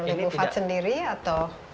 bu fat sendiri atau